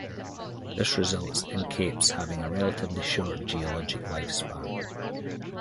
This results in capes having a relatively short geologic lifespan.